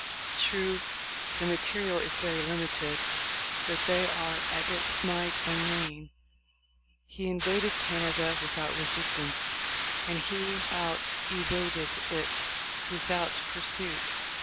True, the material is very limited, but they are at it might and main. He invaded Canada without resistance, and he outvaded it without pursuit.